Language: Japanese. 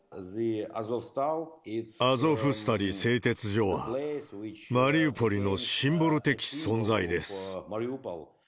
アゾフスタリ製鉄所は、マリウポリのシンボル的存在です。